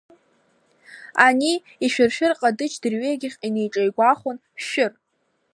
Ани ишәыршәыр ҟадыџь дырҩегьых инеиҿеигәахын, шәырр!